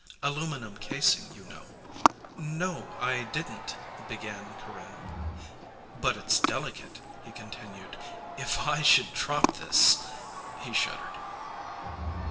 Aluminum casing, you know ..." "No, I didn't ..." began Corinne. "But it's delicate," he continued. "If I should drop this ..." He shuddered.